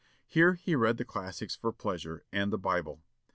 Here he read the classics for pleasure, and the Bible.